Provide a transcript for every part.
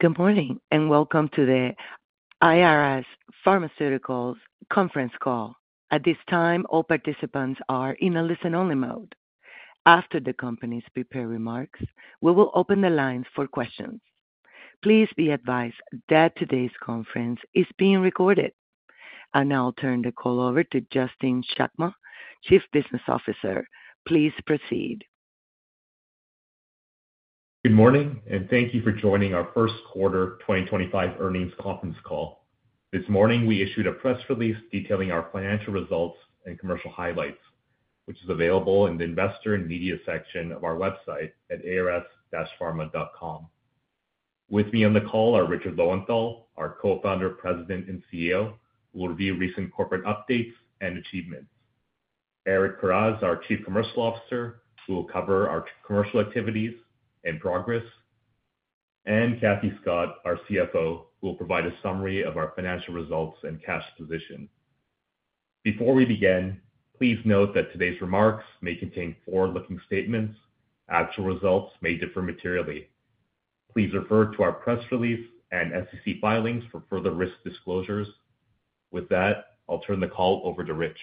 Good morning and welcome to the ARS Pharmaceuticals Conference Call. At this time, all participants are in a listen-only mode. After the company's prepared remarks, we will open the lines for questions. Please be advised that today's conference is being recorded. I will turn the call over to Justin Chakma, Chief Business Officer. Please proceed. Good morning, and thank you for joining our 1st quarter 2025 earnings conference call. This morning, we issued a press release detailing our financial results and commercial highlights, which is available in the investor and media section of our website at ars-pharma.com. With me on the call are Richard Lowenthal, our Co-founder, President, and CEO, who will review recent corporate updates and achievements. Eric Karas, our Chief Commercial Officer, who will cover our commercial activities and progress, and Kathy Scott, our CFO, who will provide a summary of our financial results and cash position. Before we begin, please note that today's remarks may contain forward-looking statements. Actual results may differ materially. Please refer to our press release and SEC filings for further risk disclosures. With that, I'll turn the call over to Rich.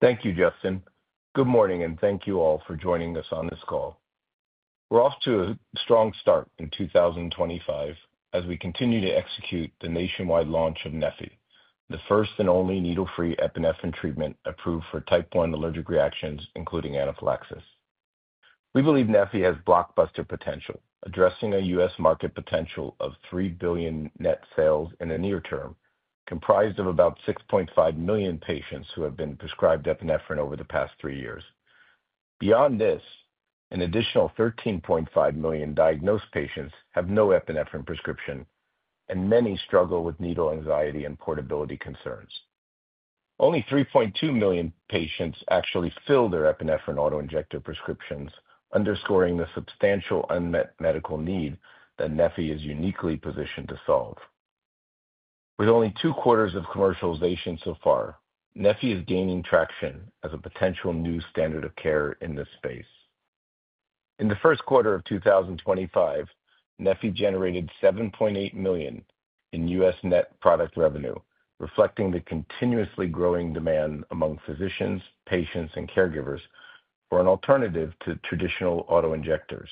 Thank you, Justin. Good morning, and thank you all for joining us on this call. We're off to a strong start in 2025 as we continue to execute the nationwide launch of neffy, the first and only needle-free epinephrine treatment approved for type one allergic reactions, including anaphylaxis. We believe neffy has blockbuster potential, addressing a U.S. market potential of $3 billion net sales in the near term, comprised of about 6.5 million patients who have been prescribed epinephrine over the past three years. Beyond this, an additional 13.5 million diagnosed patients have no epinephrine prescription, and many struggle with needle anxiety and portability concerns. Only 3.2 million patients actually fill their epinephrine autoinjector prescriptions, underscoring the substantial unmet medical need that neffy is uniquely positioned to solve. With only two quarters of commercialization so far, neffy is gaining traction as a potential new standard of care in this space. In the 1st quarter of 2025, neffy generated $7.8 million in U.S. net product revenue, reflecting the continuously growing demand among physicians, patients, and caregivers for an alternative to traditional autoinjectors.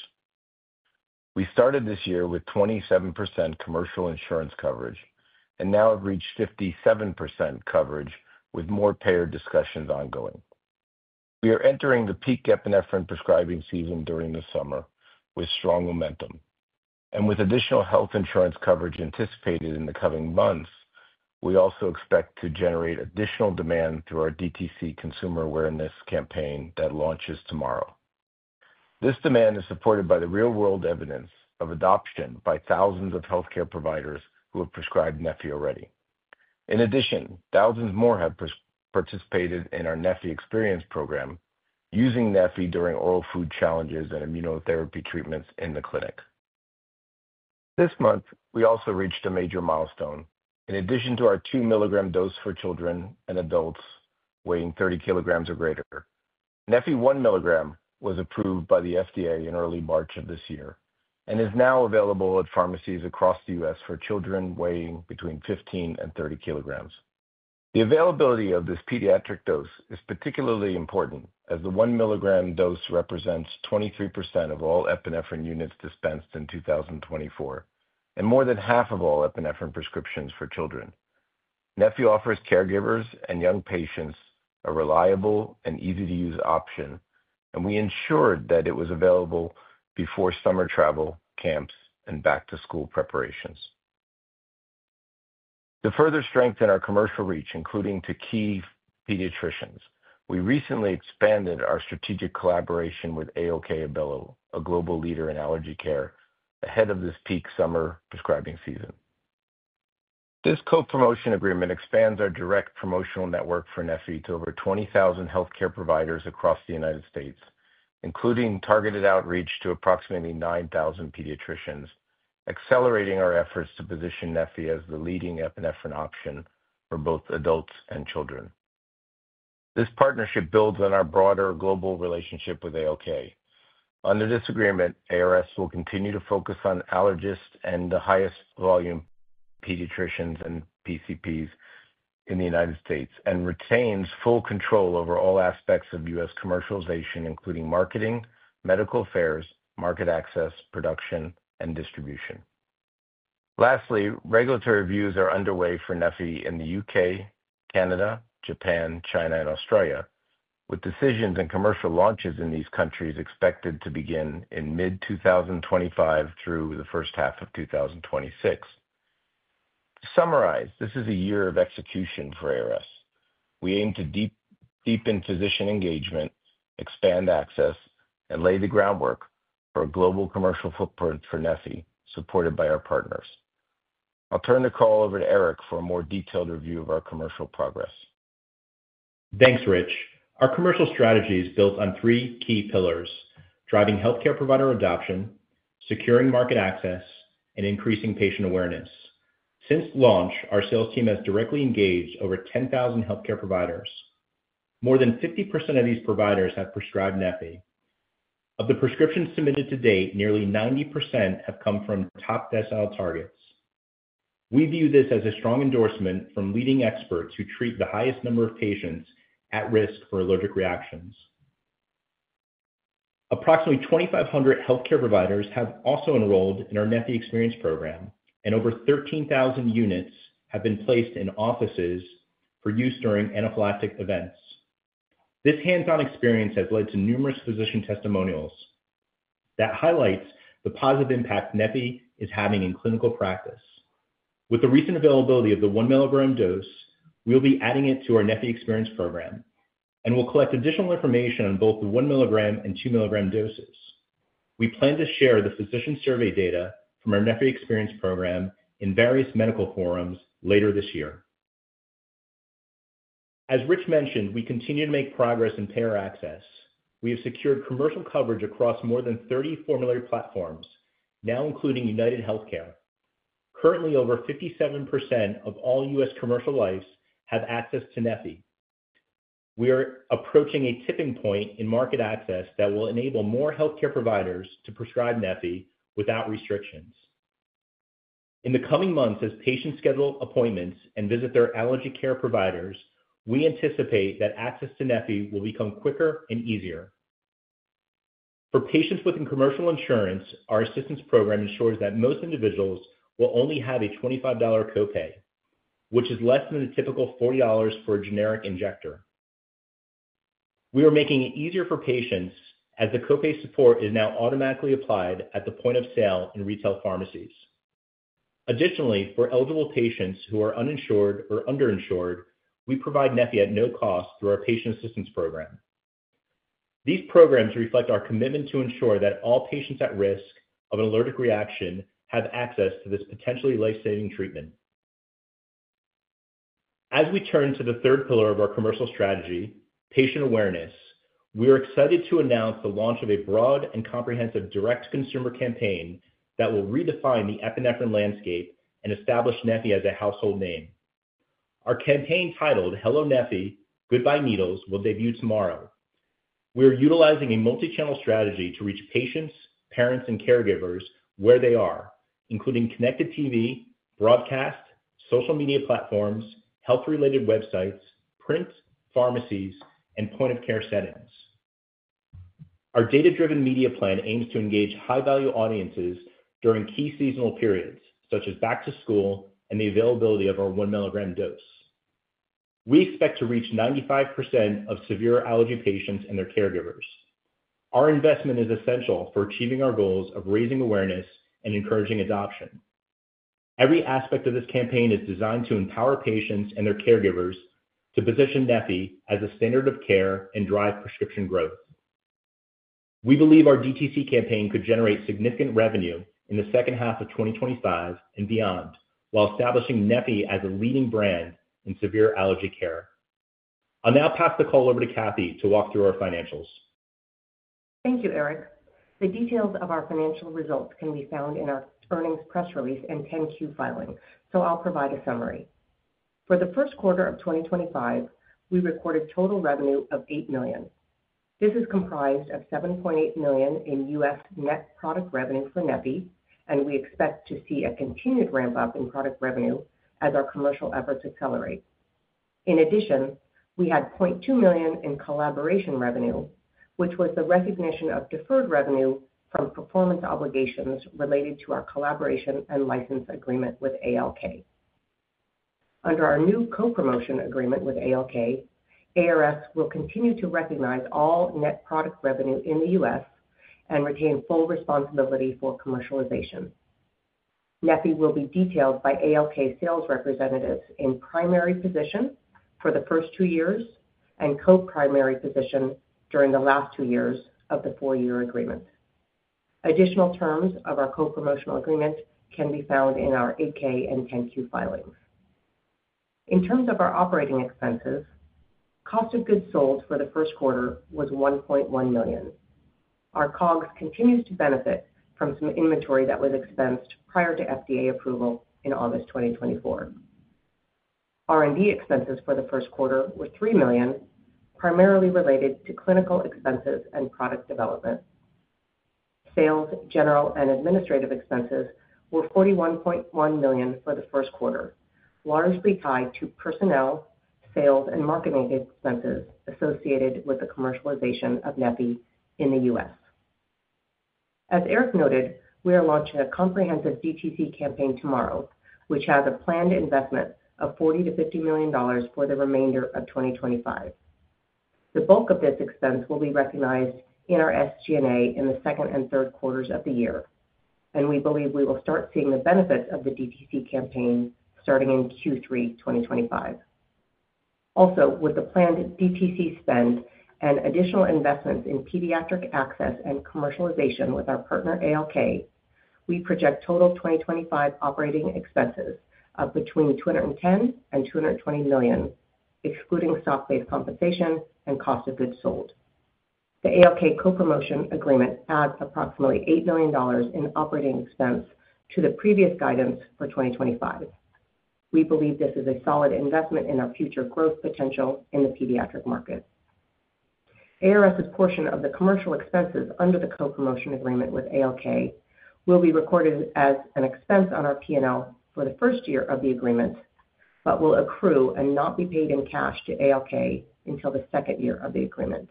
We started this year with 27% commercial insurance coverage and now have reached 57% coverage, with more payer discussions ongoing. We are entering the peak epinephrine prescribing season during the summer, with strong momentum. With additional health insurance coverage anticipated in the coming months, we also expect to generate additional demand through our DTC consumer awareness campaign that launches tomorrow. This demand is supported by the real-world evidence of adoption by thousands of healthcare providers who have prescribed neffy already. In addition, thousands more have participated in our Neffy Experience Program, using neffy during oral food challenges and immunotherapy treatments in the clinic. This month, we also reached a major milestone. In addition to our 2 mg dose for children and adults weighing 30 kg or greater, neffy 1 mg was approved by the FDA in early March of this year and is now available at pharmacies across the U.S. for children weighing between 15 kg and 30 kg. The availability of this pediatric dose is particularly important, as the 1 mg dose represents 23% of all epinephrine units dispensed in 2024 and more than half of all epinephrine prescriptions for children. neffy offers caregivers and young patients a reliable and easy-to-use option, and we ensured that it was available before summer travel, camps, and back-to-school preparations. To further strengthen our commercial reach, including to key pediatricians, we recently expanded our strategic collaboration with ALK-Abelló, a global leader in allergy care, ahead of this peak summer prescribing season. This co-promotion agreement expands our direct promotional network for neffy to over 20,000 healthcare providers across the United States, including targeted outreach to approximately 9,000 pediatricians, accelerating our efforts to position neffy as the leading epinephrine option for both adults and children. This partnership builds on our broader global relationship with ALK. Under this agreement, ARS will continue to focus on allergists and the highest-volume pediatricians and PCPs in the United States and retains full control over all aspects of U.S. commercialization, including marketing, medical affairs, market access, production, and distribution. Lastly, regulatory reviews are underway for neffy in the U.K., Canada, Japan, China, and Australia, with decisions and commercial launches in these countries expected to begin in mid-2025 through the 1st half of 2026. To summarize, this is a year of execution for ARS. We aim to deepen physician engagement, expand access, and lay the groundwork for a global commercial footprint for neffy, supported by our partners. I'll turn the call over to Eric for a more detailed review of our commercial progress. Thanks, Rich. Our commercial strategy is built on three key pillars: driving healthcare provider adoption, securing market access, and increasing patient awareness. Since launch, our sales team has directly engaged over 10,000 healthcare providers. More than 50% of these providers have prescribed neffy. Of the prescriptions submitted to date, nearly 90% have come from top decile targets. We view this as a strong endorsement from leading experts who treat the highest number of patients at risk for allergic reactions. Approximately 2,500 healthcare providers have also enrolled in our Neffy Experience Program, and over 13,000 units have been placed in offices for use during anaphylactic events. This hands-on experience has led to numerous physician testimonials that highlight the positive impact neffy is having in clinical practice. With the recent availability of the 1 mg dose, we'll be adding it to our Neffy Experience Program, and we'll collect additional information on both the 1 mg and 2 mg doses. We plan to share the physician survey data from our Neffy Experience Program in various medical forums later this year. As Rich mentioned, we continue to make progress in payer access. We have secured commercial coverage across more than 30 formulary platforms, now including UnitedHealthcare. Currently, over 57% of all U.S. commercial lives have access to neffy. We are approaching a tipping point in market access that will enable more healthcare providers to prescribe neffy without restrictions. In the coming months, as patients schedule appointments and visit their allergy care providers, we anticipate that access to neffy will become quicker and easier. For patients within commercial insurance, our assistance program ensures that most individuals will only have a $25 co-pay, which is less than the typical $40 for a generic injector. We are making it easier for patients, as the co-pay support is now automatically applied at the point of sale in retail pharmacies. Additionally, for eligible patients who are uninsured or underinsured, we provide neffy at no cost through our patient assistance program. These programs reflect our commitment to ensure that all patients at risk of an allergic reaction have access to this potentially life-saving treatment. As we turn to the third pillar of our commercial strategy, patient awareness, we are excited to announce the launch of a broad and comprehensive direct-to-consumer campaign that will redefine the epinephrine landscape and establish neffy as a household name. Our campaign titled, "Hello Neffy, Goodbye Needles," will debut tomorrow. We are utilizing a multichannel strategy to reach patients, parents, and caregivers where they are, including connected TV, broadcast, social media platforms, health-related websites, print, pharmacies, and point-of-care settings. Our data-driven media plan aims to engage high-value audiences during key seasonal periods, such as back-to-school and the availability of our 1 mg dose. We expect to reach 95% of severe allergy patients and their caregivers. Our investment is essential for achieving our goals of raising awareness and encouraging adoption. Every aspect of this campaign is designed to empower patients and their caregivers to position neffy as a standard of care and drive prescription growth. We believe our DTC campaign could generate significant revenue in the 2nd half of 2025 and beyond, while establishing neffy as a leading brand in severe allergy care. I'll now pass the call over to Kathy to walk through our financials. Thank you, Eric. The details of our financial results can be found in our earnings press release and 10Q filing, so I'll provide a summary. For the 1st quarter of 2025, we recorded total revenue of $8 million. This is comprised of $7.8 million in U.S. net product revenue for neffy, and we expect to see a continued ramp-up in product revenue as our commercial efforts accelerate. In addition, we had $0.2 million in collaboration revenue, which was the recognition of deferred revenue from performance obligations related to our collaboration and license agreement with ALK. Under our new co-promotion agreement with ALK, ARS will continue to recognize all net product revenue in the U.S. and retain full responsibility for commercialization. Neffy will be detailed by ALK sales representatives in primary position for the first two years and co-primary position during the last two years of the four-year agreement. Additional terms of our co-promotional agreement can be found in our 8K and 10Q filings. In terms of our operating expenses, cost of goods sold for the 1st quarter was $1.1 million. Our COGS continues to benefit from some inventory that was expensed prior to FDA approval in August 2024. R&D expenses for the 1st quarter were $3 million, primarily related to clinical expenses and product development. Sales, general, and administrative expenses were $41.1 million for the 1st quarter, largely tied to personnel, sales, and marketing expenses associated with the commercialization of neffy in the U.S. As Eric noted, we are launching a comprehensive DTC campaign tomorrow, which has a planned investment of $40-$50 million for the remainder of 2025. The bulk of this expense will be recognized in our SG&A in the 2nd quarter and 3rd quarters of the year, and we believe we will start seeing the benefits of the DTC campaign starting in Q3 2025. Also, with the planned DTC spend and additional investments in pediatric access and commercialization with our partner ALK, we project total 2025 operating expenses of between $210 million and $220 million, excluding stock-based compensation and cost of goods sold. The ALK co-promotion agreement adds approximately $8 million in operating expense to the previous guidance for 2025. We believe this is a solid investment in our future growth potential in the pediatric market. ARS's portion of the commercial expenses under the co-promotion agreement with ALK will be recorded as an expense on our P&L for the 1st year of the agreement, but will accrue and not be paid in cash to ALK until the 2nd year of the agreement.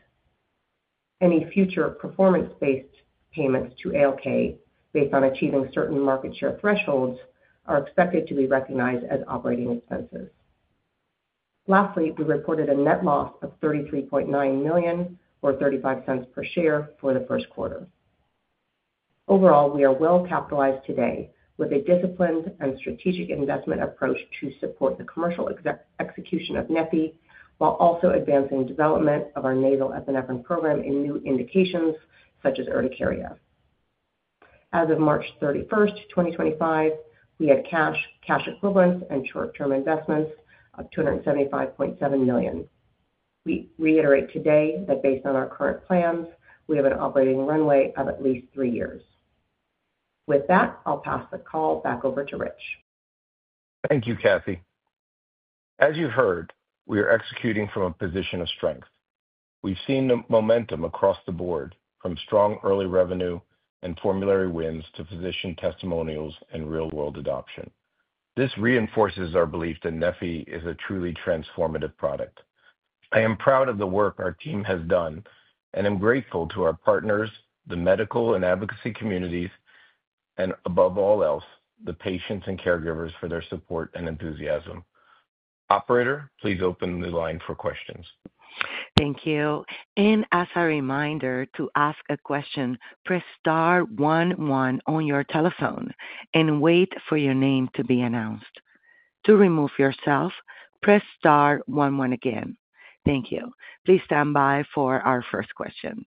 Any future performance-based payments to ALK based on achieving certain market share thresholds are expected to be recognized as operating expenses. Lastly, we reported a net loss of $33.9 million, or $0.35 per share, for the 1st quarter. Overall, we are well capitalized today with a disciplined and strategic investment approach to support the commercial execution of neffy, while also advancing development of our nasal epinephrine program in new indications such as urticaria. As of March 31, 2025, we had cash, cash equivalents, and short-term investments of $275.7 million. We reiterate today that based on our current plans, we have an operating runway of at least three years. With that, I'll pass the call back over to Rich. Thank you, Kathy. As you've heard, we are executing from a position of strength. We've seen momentum across the board, from strong early revenue and formulary wins to physician testimonials and real-world adoption. This reinforces our belief that neffy is a truly transformative product. I am proud of the work our team has done and am grateful to our partners, the medical and advocacy communities, and above all else, the patients and caregivers for their support and enthusiasm. Operator, please open the line for questions. Thank you. As a reminder, to ask a question, press star one one on your telephone and wait for your name to be announced. To remove yourself, press star one one again. Thank you. Please stand by for our first question.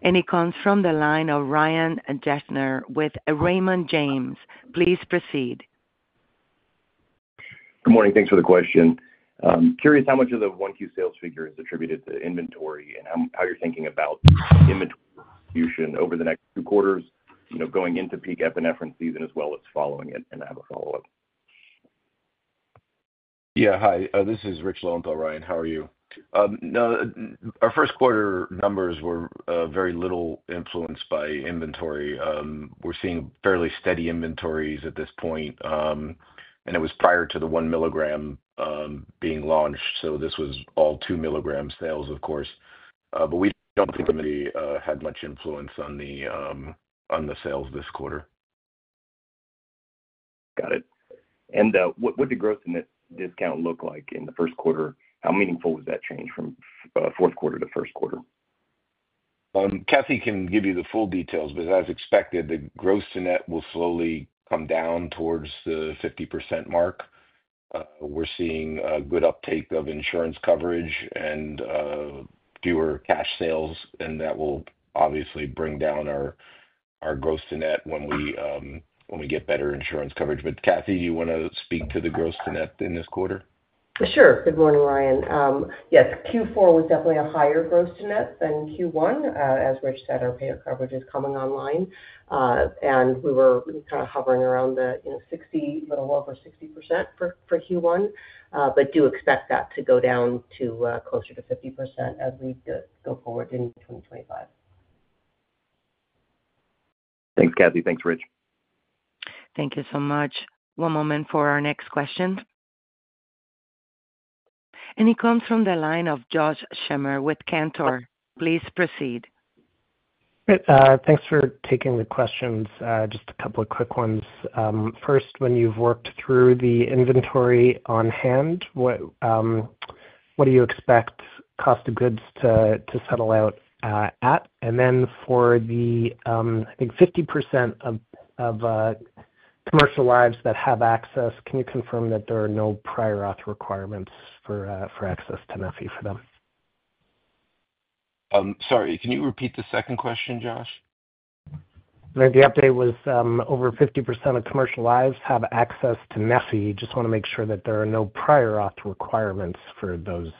It comes from the line of Ryan Deschner with Raymond James. Please proceed. Good morning. Thanks for the question. Curious how much of the 1Q sales figure is attributed to inventory and how you're thinking about inventory distribution over the next two quarters, going into peak epinephrine season as well as following it, and I have a follow-up. Yeah, hi. This is Richard Lowenthal, Ryan. How are you? Our 1st quarter numbers were very little influenced by inventory. We're seeing fairly steady inventories at this point, and it was prior to the 1 mg being launched, so this was all 2 mg sales, of course. We don't think it had much influence on the sales this quarter. Got it. What did growth in the discount look like in the 1st quarter? How meaningful was that change from 4th quarter to 1st quarter? Kathy can give you the full details, but as expected, the gross net will slowly come down towards the 50% mark. We're seeing a good uptake of insurance coverage and fewer cash sales, and that will obviously bring down our gross net when we get better insurance coverage. Kathy, do you want to speak to the gross net in this quarter? Sure. Good morning, Ryan. Yes, Q4 was definitely a higher gross net than Q1. As Rich said, our payer coverage is coming online, and we were kind of hovering around the 60%, a little over 60% for Q1, but do expect that to go down to closer to 50% as we go forward in 2025. Thanks, Kathy. Thanks, Rich. Thank you so much. One moment for our next question. It comes from the line of Josh Schimmer with Cantor. Please proceed. Thanks for taking the questions. Just a couple of quick ones. First, when you've worked through the inventory on hand, what do you expect cost of goods to settle out at? For the, I think, 50% of commercial lives that have access, can you confirm that there are no prior auth requirements for access to neffy for them? Sorry, can you repeat the second question, Josh? The update was over 50% of commercial lives have access to neffy. Just want to make sure that there are no prior auth requirements for those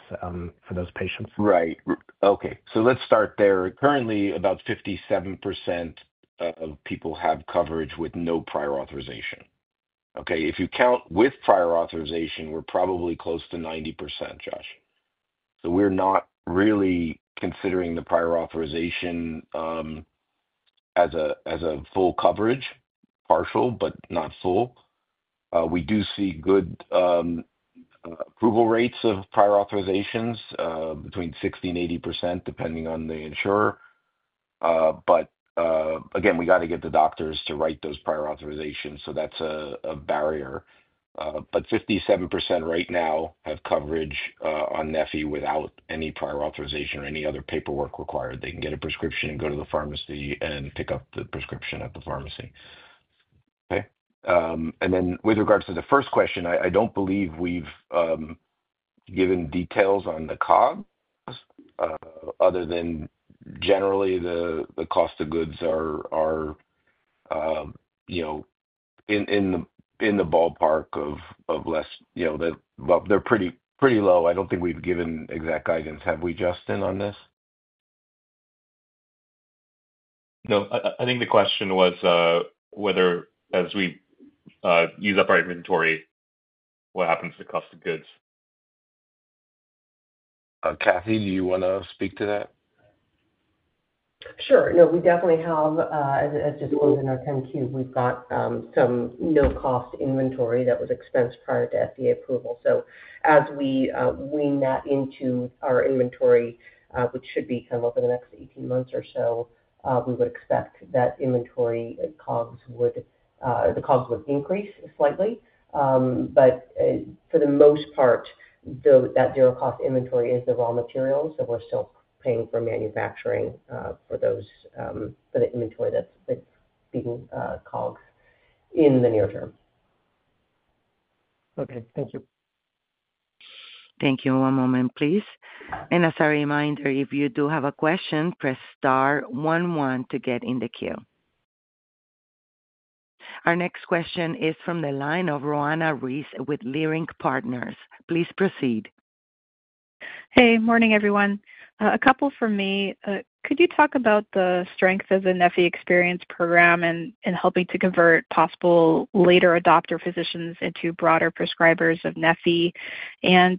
patients. Right. Okay. So let's start there. Currently, about 57% of people have coverage with no prior authorization. Okay. If you count with prior authorization, we're probably close to 90%, Josh. So we're not really considering the prior authorization as a full coverage, partial, but not full. We do see good approval rates of prior authorizations between 60%-80%, depending on the insurer. Again, we got to get the doctors to write those prior authorizations, so that's a barrier. 57% right now have coverage on neffy without any prior authorization or any other paperwork required. They can get a prescription and go to the pharmacy and pick up the prescription at the pharmacy. Okay. With regards to the first question, I don't believe we've given details on the COGS other than generally the cost of goods are in the ballpark of less. They're pretty low. I don't think we've given exact guidance. Have we, Justin, on this? No. I think the question was whether, as we use up our inventory, what happens to the cost of goods. Kathy, do you want to speak to that? Sure. No, we definitely have, as this goes in our 10Q, we've got some no-cost inventory that was expensed prior to FDA approval. As we wean that into our inventory, which should be kind of over the next 18 months or so, we would expect that inventory COGS would increase slightly. For the most part, that zero-cost inventory is the raw material, so we're still paying for manufacturing for the inventory that's being COGS in the near term. Okay. Thank you. Thank you. One moment, please. As a reminder, if you do have a question, press star one one to get in the queue. Our next question is from the line of Roanna Ruiz with Leerink Partners. Please proceed. Hey, morning, everyone. A couple from me. Could you talk about the strength of the Neffy Experience Program in helping to convert possible later adopter physicians into broader prescribers of neffy?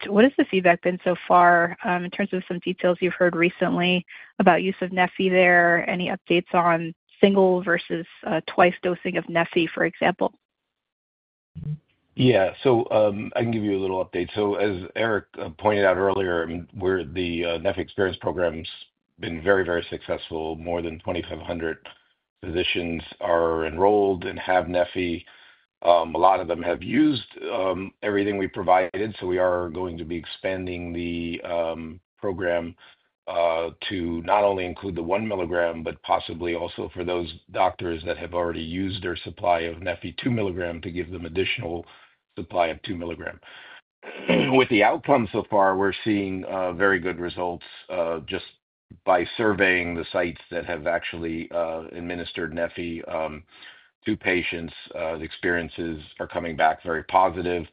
What has the feedback been so far in terms of some details you've heard recently about use of neffy there, any updates on single versus twice dosing of neffy, for example? Yeah. So I can give you a little update. As Eric pointed out earlier, the Neffy Experience Program's been very, very successful. More than 2,500 physicians are enrolled and have neffy. A lot of them have used everything we provided, so we are going to be expanding the program to not only include the 1 mg, but possibly also for those doctors that have already used their supply of neffy 2 mg to give them additional supply of 2 mg. With the outcome so far, we're seeing very good results just by surveying the sites that have actually administered neffy to patients. The experiences are coming back very positive.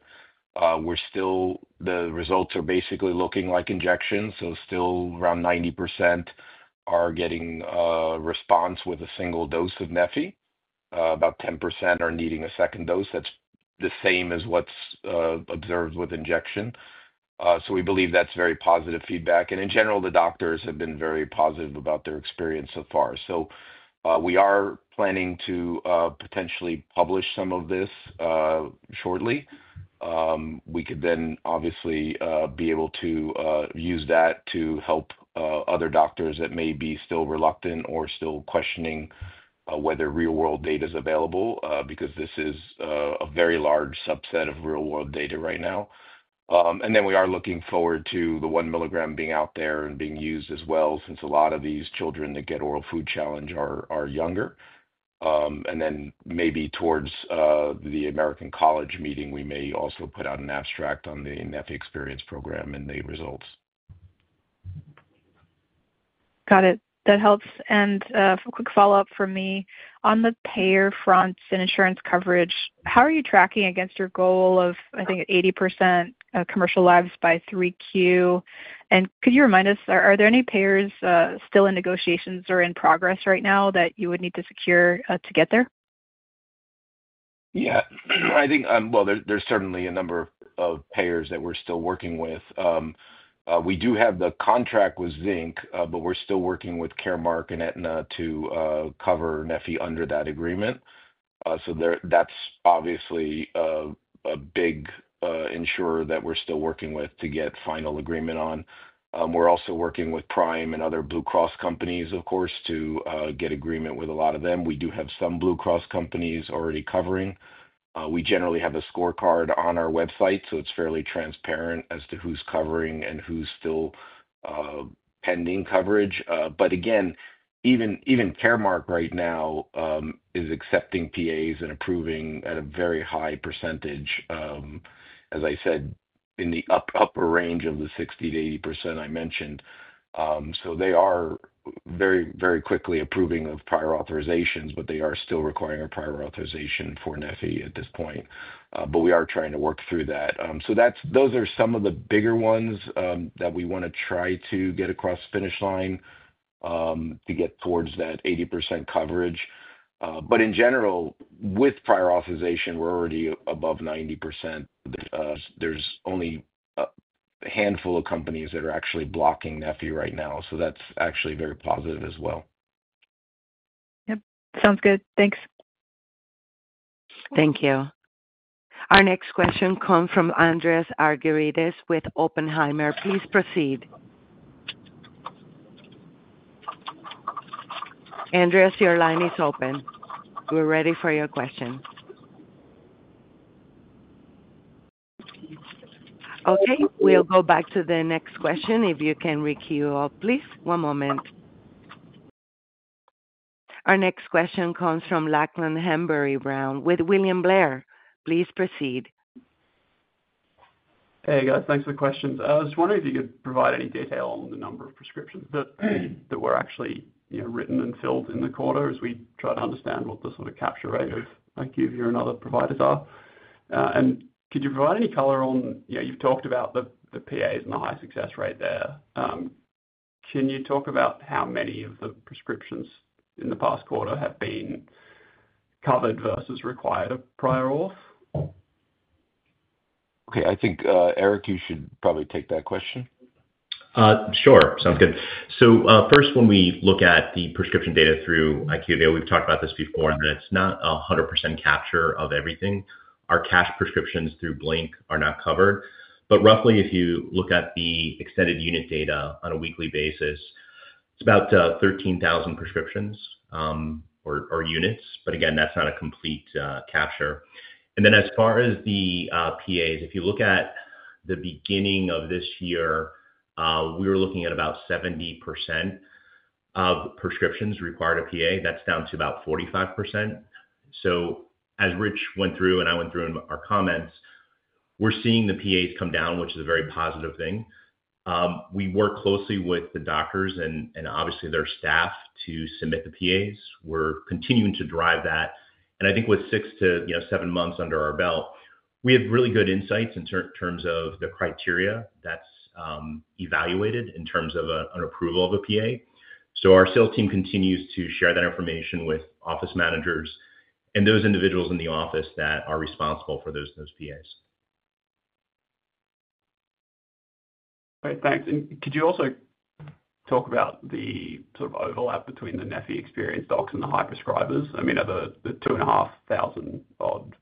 The results are basically looking like injections, so still around 90% are getting response with a single dose of neffy. About 10% are needing a 2nd dose. That's the same as what's observed with injection. We believe that's very positive feedback. In general, the doctors have been very positive about their experience so far. We are planning to potentially publish some of this shortly. We could then obviously be able to use that to help other doctors that may be still reluctant or still questioning whether real-world data is available because this is a very large subset of real-world data right now. We are looking forward to the 1 mg being out there and being used as well since a lot of these children that get oral food challenge are younger. Maybe towards the American College meeting, we may also put out an abstract on the Neffy Experience Program and the results. Got it. That helps. A quick follow-up from me. On the payer fronts and insurance coverage, how are you tracking against your goal of, I think, 80% commercial lives by 3Q? Could you remind us, are there any payers still in negotiations or in progress right now that you would need to secure to get there? Yeah. I think, well, there's certainly a number of payers that we're still working with. We do have the contract with Zinc, but we're still working with Caremark and Aetna to cover neffy under that agreement. That's obviously a big insurer that we're still working with to get final agreement on. We're also working with Prime Therapeutics and other Blue Cross companies, of course, to get agreement with a lot of them. We do have some Blue Cross companies already covering. We generally have a scorecard on our website, so it's fairly transparent as to who's covering and who's still pending coverage. Again, even Caremark right now is accepting PAs and approving at a very high percentage, as I said, in the upper range of the 60%-day I mentioned. They are very, very quickly approving prior authorizations, but they are still requiring a prior authorization for neffy at this point. We are trying to work through that. Those are some of the bigger ones that we want to try to get across the finish line to get towards that 80% coverage. In general, with prior authorization, we're already above 90%. There's only a handful of companies that are actually blocking neffy right now, so that's actually very positive as well. Yep. Sounds good. Thanks. Thank you. Our next question comes from Andreas Argyrides with Oppenheimer. Please proceed. Andreas, your line is open. We're ready for your question. Okay. We'll go back to the next question if you can requeue up, please. One moment. Our next question comes from Lachlan Hanbury-Brown with William Blair. Please proceed. Hey, guys. Thanks for the questions. I was wondering if you could provide any detail on the number of prescriptions that were actually written and filled in the quarter as we try to understand what the sort of capture rate of active year and other providers are. Could you provide any color on, yeah, you've talked about the PAs and the high success rate there. Can you talk about how many of the prescriptions in the past quarter have been covered versus required prior auth? Okay. I think, Eric, you should probably take that question. Sure. Sounds good. First, when we look at the prescription data through Acuvia, we've talked about this before, and it's not a 100% capture of everything. Our cash prescriptions through Blink are not covered. Roughly, if you look at the extended unit data on a weekly basis, it's about 13,000 prescriptions or units. Again, that's not a complete capture. As far as the PAs, if you look at the beginning of this year, we were looking at about 70% of prescriptions required a PA. That's down to about 45%. As Rich went through and I went through in our comments, we're seeing the PAs come down, which is a very positive thing. We work closely with the doctors and obviously their staff to submit the PAs. We're continuing to drive that. I think with six to seven months under our belt, we have really good insights in terms of the criteria that's evaluated in terms of an approval of a PA. Our sales team continues to share that information with office managers and those individuals in the office that are responsible for those PAs. All right. Thanks. Could you also talk about the sort of overlap between the neffy experience docs and the high prescribers? I mean, are the 2,500-odd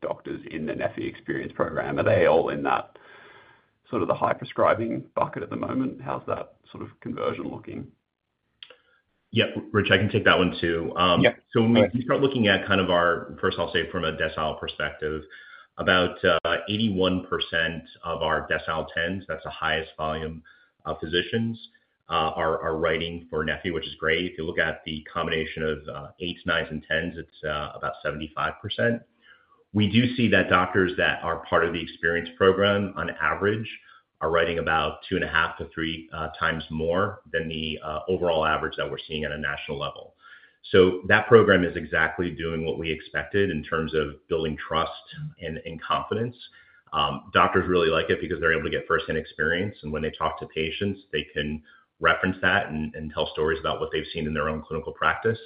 doctors in the Neffy Experience Program, are they all in that sort of the high prescribing bucket at the moment? How's that sort of conversion looking? Yep. Rich, I can take that one too. When we start looking at kind of our, first, I'll say from a decile perspective, about 81% of our decile 10s, that's the highest volume of physicians, are writing for neffy, which is great. If you look at the combination of 8s, 9s, and 10s, it's about 75%. We do see that doctors that are part of the experience program, on average, are writing about 2.5x to 3x more than the overall average that we're seeing at a national level. That program is exactly doing what we expected in terms of building trust and confidence. Doctors really like it because they're able to get first-hand experience. When they talk to patients, they can reference that and tell stories about what they've seen in their own clinical practice.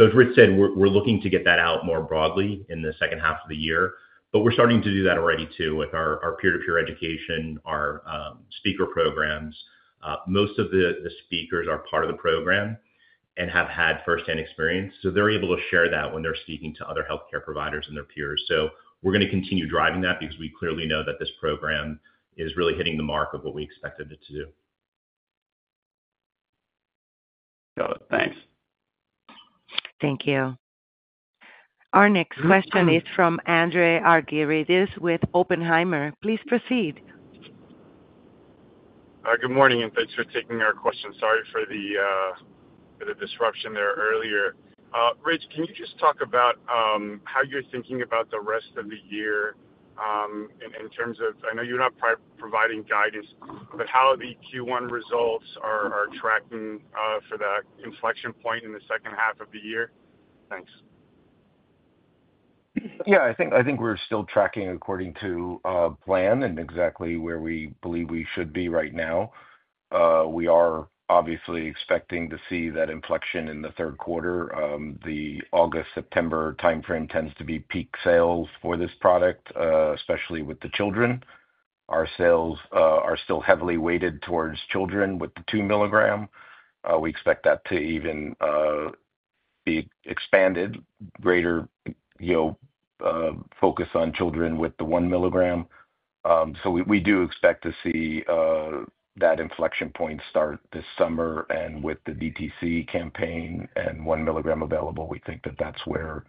As Rich said, we're looking to get that out more broadly in the 2nd half of the year. We're starting to do that already too with our peer-to-peer education, our speaker programs. Most of the speakers are part of the program and have had first-hand experience. They're able to share that when they're speaking to other healthcare providers and their peers. We're going to continue driving that because we clearly know that this program is really hitting the mark of what we expected it to do. Got it. Thanks. Thank you. Our next question is from Andreas Argyrides with Oppenheimer. Please proceed. Good morning, and thanks for taking our question. Sorry for the disruption there earlier. Rich, can you just talk about how you're thinking about the rest of the year in terms of, I know you're not providing guidance, but how the Q1 results are tracking for that inflection point in the 2nd half of the year? Thanks. Yeah. I think we're still tracking according to plan and exactly where we believe we should be right now. We are obviously expecting to see that inflection in the 3rd quarter. The August, September timeframe tends to be peak sales for this product, especially with the children. Our sales are still heavily weighted towards children with the 2 mg. We expect that to even be expanded, greater focus on children with the 1 mg. We do expect to see that inflection point start this summer. With the DTC campaign and 1 mg available, we think that that's where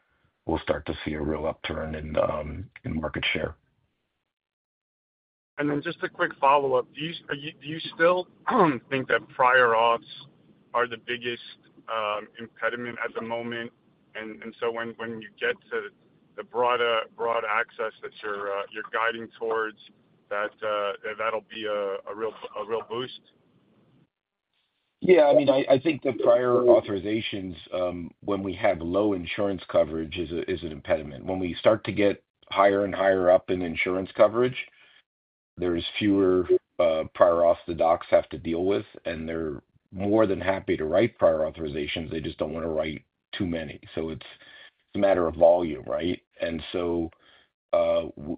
we'll start to see a real upturn in market share. Do you still think that prior auths are the biggest impediment at the moment? When you get to the broad access that you're guiding towards, that'll be a real boost? Yeah. I mean, I think the prior authorizations, when we have low insurance coverage, is an impediment. When we start to get higher and higher up in insurance coverage, there's fewer prior auths the docs have to deal with. They're more than happy to write prior authorizations. They just don't want to write too many. It's a matter of volume, right?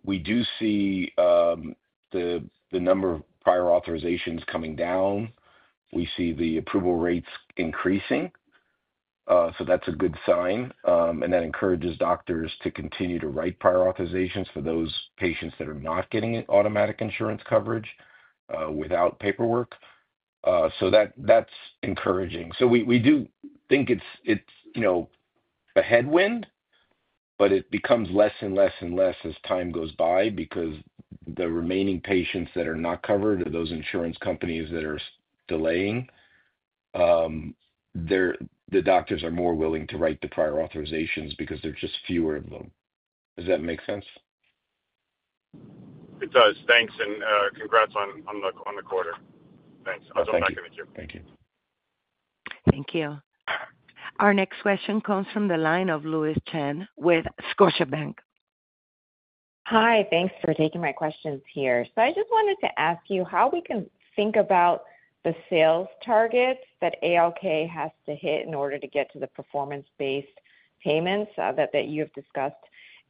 We do see the number of prior authorizations coming down. We see the approval rates increasing. That's a good sign. That encourages doctors to continue to write prior authorizations for those patients that are not getting automatic insurance coverage without paperwork. That's encouraging. We do think it's a headwind, but it becomes less and less and less as time goes by because the remaining patients that are not covered are those insurance companies that are delaying. The doctors are more willing to write the prior authorizations because there's just fewer of them. Does that make sense? It does. Thanks. And congrats on the quarter. Thanks. I'll jump back in with you. Thank you. Thank you. Our next question comes from the line of Louise Chen with Scotiabank. Hi. Thanks for taking my questions here. I just wanted to ask you how we can think about the sales targets that ALK has to hit in order to get to the performance-based payments that you have discussed.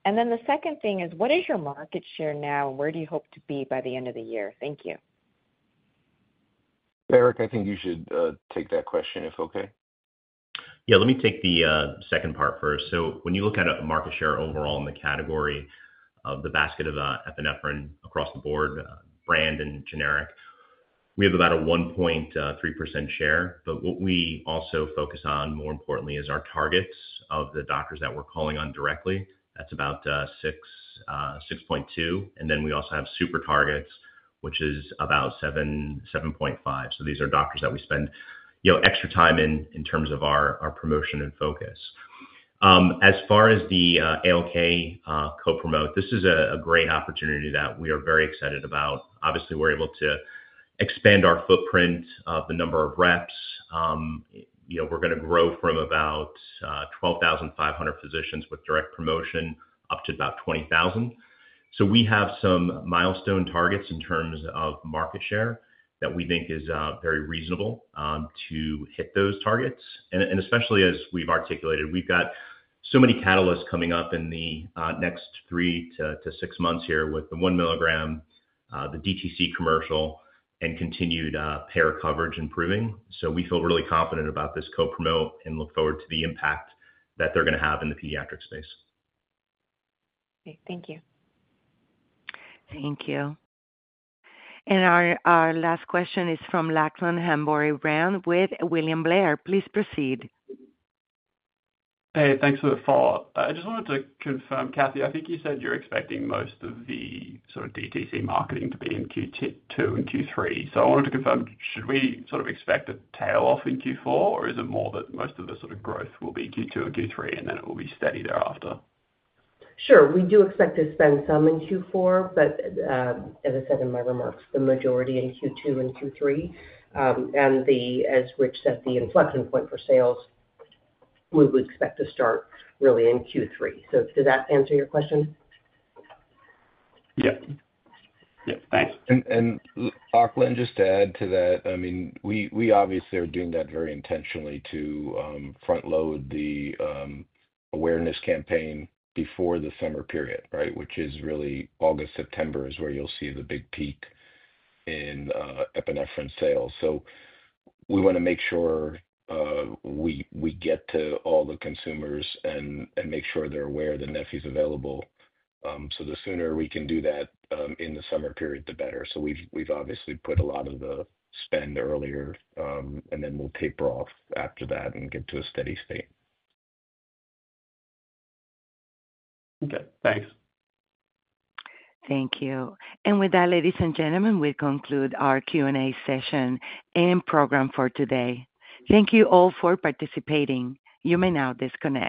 The second thing is, what is your market share now, and where do you hope to be by the end of the year? Thank you. Eric, I think you should take that question if okay. Yeah. Let me take the 2nd part first. When you look at a market share overall in the category of the basket of epinephrine across the board, brand and generic, we have about a 1.3% share. What we also focus on more importantly is our targets of the doctors that we're calling on directly. That's about 6.2%. We also have super targets, which is about 7.5%. These are doctors that we spend extra time in in terms of our promotion and focus. As far as the ALK Co-Promote, this is a great opportunity that we are very excited about. Obviously, we're able to expand our footprint of the number of reps. We're going to grow from about 12,500 physicians with direct promotion up to about 20,000. We have some milestone targets in terms of market share that we think is very reasonable to hit those targets. Especially as we've articulated, we've got so many catalysts coming up in the next three to six months here with the 1 mg, the DTC commercial, and continued payer coverage improving. We feel really confident about this Co-Promote and look forward to the impact that they're going to have in the pediatric space. Great. Thank you. Thank you. Our last question is from Lachlan Hanbury-Brown with William Blair. Please proceed. Hey, thanks for the follow-up. I just wanted to confirm, Kathy, I think you said you're expecting most of the sort of DTC marketing to be in Q2 and Q3. So I wanted to confirm, should we sort of expect a tail off in Q4, or is it more that most of the sort of growth will be Q2 and Q3, and then it will be steady thereafter? Sure. We do expect to spend some in Q4, but as I said in my remarks, the majority in Q2 and Q3. As Rich said, the inflection point for sales, we would expect to start really in Q3. Does that answer your question? Yep. Yep. Thanks. Lachlan, just to add to that, I mean, we obviously are doing that very intentionally to front-load the awareness campaign before the summer period, right, which is really August, September is where you'll see the big peak in epinephrine sales. We want to make sure we get to all the consumers and make sure they're aware of the neffy is available. The sooner we can do that in the summer period, the better. We have obviously put a lot of the spend earlier, and then we'll taper off after that and get to a steady state. Okay. Thanks. Thank you. With that, ladies and gentlemen, we conclude our Q&A session and program for today. Thank you all for participating. You may now disconnect.